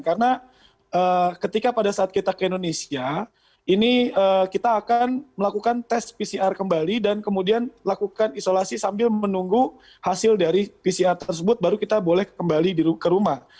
karena ketika pada saat kita ke indonesia ini kita akan melakukan tes pcr kembali dan kemudian lakukan isolasi sambil menunggu hasil dari pcr tersebut baru kita boleh kembali ke rumah